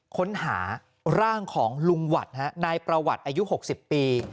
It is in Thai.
ค้นหาร่างของลุงหวัดฮะนายประวัติอายุ๖๐ปี